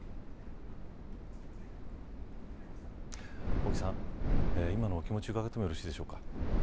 尾木さん、今のお気持ち伺ってもよろしいでしょうか。